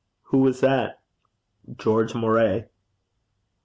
'Who was that?' 'George Moray.'